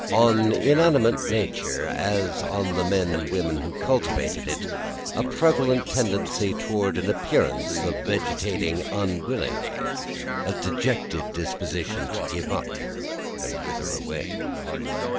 On inanimate nature, as on the men and women who cultivated it, a prevalent tendency towards an appearance of vegetating unwillingly a dejected disposition to give up, and wither away.